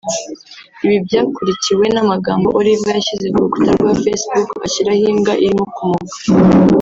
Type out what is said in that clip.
Ibi byakurikiwe n’amagambo Olivier yashyize ku rukuta rwa Facebook ashyiraho imbwa irimo kumoka